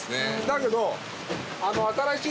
だけど。